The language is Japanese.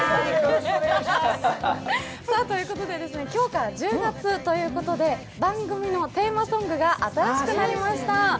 今日から１０月ということで、番組のテーマソングが新しくなりました。